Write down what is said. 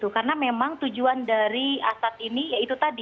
karena memang tujuan dari asat ini ya itu tadi